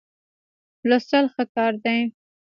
لوستل ښه کار دی.